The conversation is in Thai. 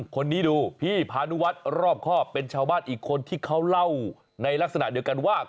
คิดว่าน่าจะเป็นกะสือด้วยฮะ